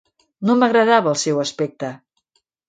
No m'agradava el seu aspecte.